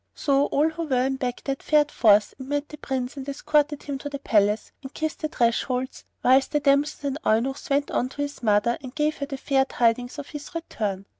So all who were in Baghdad fared forth and met the Prince and escorted him to the palace and kissed the thresholds, whilst the damsels and the eunuchs went in to his mother and gave her the fair tidings of his return.